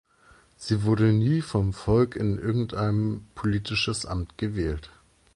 Sie wurde nie vom Volk in irgendein politisches Amt gewählt.